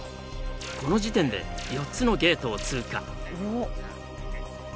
この時点で４つのゲートを通過。